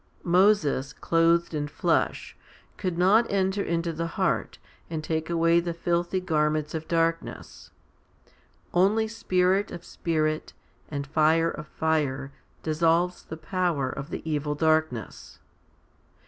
Moses, clothed in flesh, could not enter into the heart, and take away the filthy garments of darkness. Only spirit of spirit and fire of fire dissolves the power of the evil darkness.